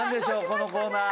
このコーナー。